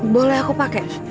boleh aku pakai